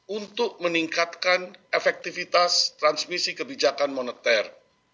untuk meningkatkan efektivitas transmisi kebijakan moneter